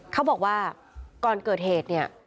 เขาบอกว่าก่อนเกิดเหตุเนี่ย